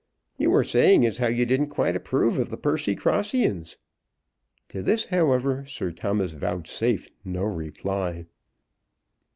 You were saying as how you didn't quite approve of the Percycrossians." To this, however, Sir Thomas vouchsafed no reply.